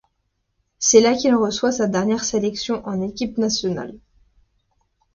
C'est là qu'il reçoit sa dernière sélection en équipe nationale.